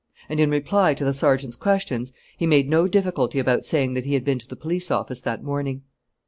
And, in reply to the sergeant's questions, he made no difficulty about saying that he had been to the police office that morning.